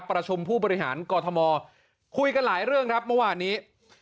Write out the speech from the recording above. ประชุมผู้บริหารกอทมคุยกันหลายเรื่องครับเมื่อวานนี้